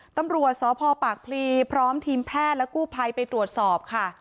ตำรวจสพปากพลีพร้อมทีมแพทย์และกู้ภัยไปตรวจสอบค่ะ